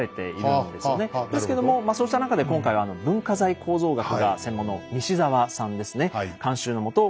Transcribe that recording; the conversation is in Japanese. ですけどもそうした中で今回は文化財構造学が専門の西澤さんですね監修のもと